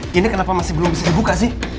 kini kenapa masih belum bisa dibuka sih